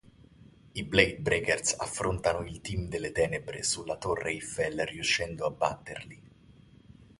I Blade Breakers affrontano il team delle tenebre sulla Torre Eiffel riuscendo a batterli.